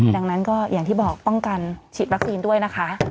ดังนั้นก็อย่างที่บอกป้องกันฉีดวัคซีนด้วยนะคะ